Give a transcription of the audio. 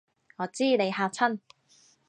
我知你嚇親